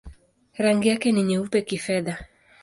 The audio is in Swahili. Rangi yake ni nyeupe-kifedha.